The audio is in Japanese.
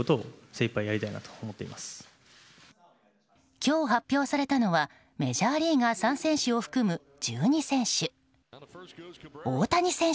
今日発表されたのはメジャーリーガー３選手を含む１２選手。